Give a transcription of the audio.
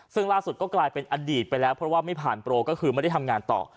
ซึ่งล่าสุดก็กลายเป็นอดีตไปแล้วเพราะว่าไม่ผ่านโปรก็คือไม่ได้ทำงานต่อ